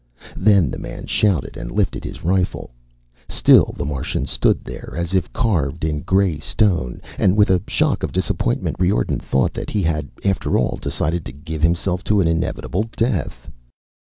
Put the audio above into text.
Then the man shouted and lifted his rifle. Still the Martian stood there as if carved in gray stone, and with a shock of disappointment Riordan thought that he had, after all, decided to give himself to an inevitable death.